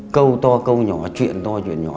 câu to câu nhỏ chuyện to chuyện nhỏ